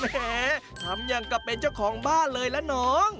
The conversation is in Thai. แหมทำอย่างกับเป็นเจ้าของบ้านเลยละน้อง